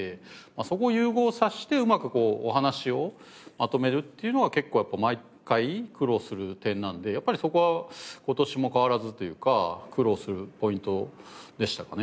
そこを融合させてうまくお話をまとめるっていうのが結構毎回苦労する点なのでやっぱりそこは今年も変わらずというか苦労するポイントでしたかねやっぱり。